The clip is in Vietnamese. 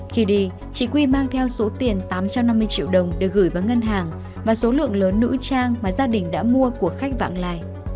khi đi chị quy mang theo số tiền tám trăm năm mươi triệu đồng để gửi vào ngân hàng và số lượng lớn nữ trang mà gia đình đã mua của khách vạng lại